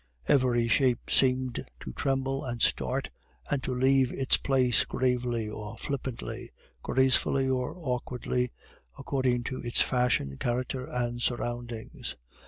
Every shape seemed to tremble and start, and to leave its place gravely or flippantly, gracefully or awkwardly, according to its fashion, character, and surroundings.